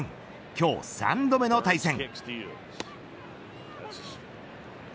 今日３度目の対戦。